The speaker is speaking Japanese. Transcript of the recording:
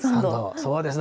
そうですね。